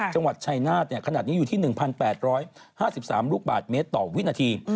จังหวัดชายนาฏขนาดนี้อยู่ที่๑๘๕๓ลูกบาทเมตรต่อวินาที